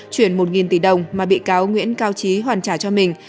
chuyển một tỷ đồng mà bị cáo nguyễn cao trí hoàn trả cho mình